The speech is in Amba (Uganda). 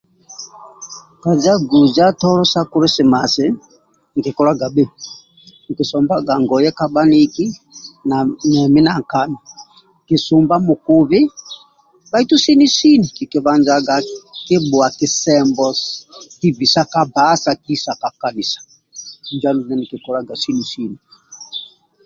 Ka jaguza tolo sa kulisimasi nkikolaga bhio nkisubaga ngoye ka bhaniki nemi na nkali nisumba mukubi bhaitu sisni sini nikibanjanga nibhua kisembo nibisa ka bbahasi kisa ka kanisa